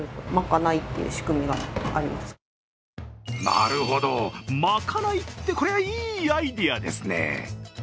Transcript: なるほど、まかないってこりゃいいアイデアですね。